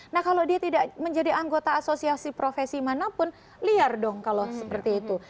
nah kalau dia tidak menjadi anggota asosiasi profesi manapun liar dong kalau seperti itu